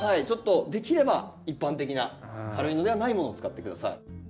ちょっとできれば一般的な軽いのではないものを使って下さい。